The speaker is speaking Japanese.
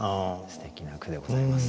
すてきな句でございます。